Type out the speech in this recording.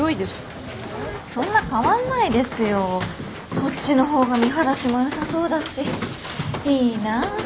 こっちの方が見晴らしも良さそうだしいいな。